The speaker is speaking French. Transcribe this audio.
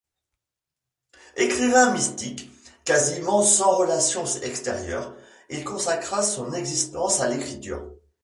Écrivain mystique, quasiment sans relations extérieures, il consacra son existence à l'écriture.